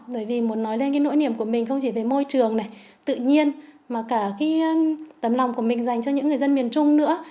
bởi vì muốn nói lên cái nỗi niềm của mình không chỉ về môi trường này tự nhiên mà cả cái tấm lòng của mình dành cho những người dân miền trung nữa